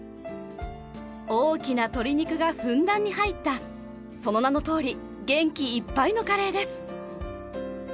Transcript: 大きな鶏肉がふんだんに入ったその名のとおり元気いっぱいのカレーです。